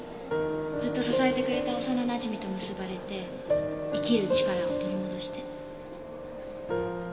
ずっと支えてくれた幼なじみと結ばれて生きる力を取り戻して。